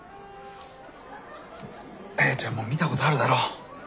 亜弥ちゃんも見たことあるだろ。